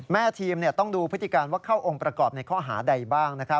แม่ทีมต้องดูพฤติการว่าเข้าองค์ประกอบในข้อหาใดบ้าง